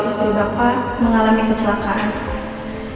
istri bapak mengalami kecelakaan